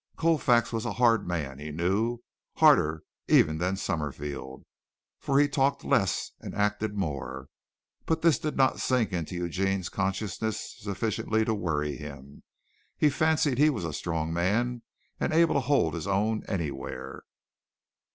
Colfax was a hard man, he knew, harder even than Summerfield, for he talked less and acted more; but this did not sink into Eugene's consciousness sufficiently to worry him. He fancied he was a strong man, able to hold his own anywhere.